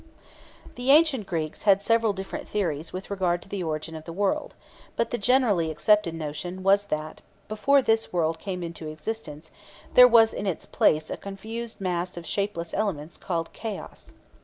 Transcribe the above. The ancient Greeks had several different theories with regard to the origin of the world, but the generally accepted notion was that before this world came into existence, there was in its place a confused mass of shapeless elements called Chaos.